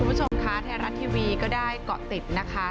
คุณผู้ชมคะไทยรัฐทีวีก็ได้เกาะติดนะคะ